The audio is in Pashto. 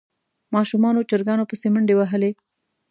ماشومانو چرګانو پسې منډې وهلې.